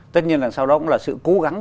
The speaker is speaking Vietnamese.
tất nhiên đằng sau đó cũng là sự cố gắng